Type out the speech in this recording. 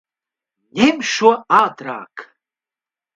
Ņem šo ātrāk!